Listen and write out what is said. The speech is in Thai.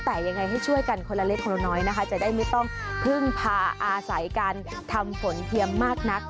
แต่ยังไงให้ช่วยกันคนละเล็กคนละน้อยนะคะจะได้ไม่ต้องพึ่งพาอาศัยการทำฝนเทียมมากนัก